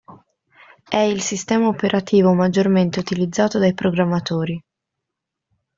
È il sistema operativo maggiormente utilizzato dai programmatori.